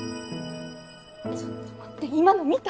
ちょっと待って今の見た？